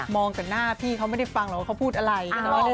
มองกับหน้าพี่เขาไม่ได้ฟังหรอกเขาพูดอะไร